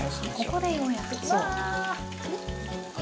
ここでようやくわあ！